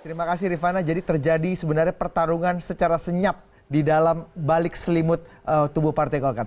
terima kasih rifana jadi terjadi sebenarnya pertarungan secara senyap di dalam balik selimut tubuh partai golkar